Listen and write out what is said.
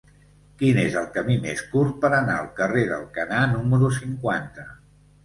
Quin és el camí més curt per anar al carrer d'Alcanar número cinquanta?